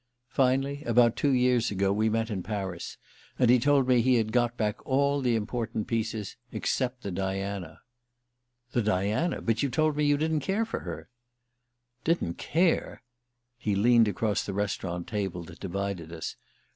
Finally, about two years ago, we met in Paris, and he told me he had got back all the important pieces except the Diana. "The Diana? But you told me you didn't care for her." "Didn't care?" He leaned across the restaurant table that divided us.